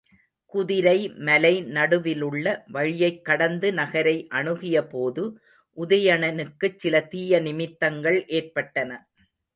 குதிரை மலை நடுவிலுள்ள வழியைக் கடந்து நகரை அணுகியபோது உதயணனுக்குச் சில தீய நிமித்தங்கள் ஏற்பட்டன.